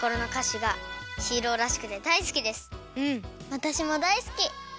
わたしもだいすき。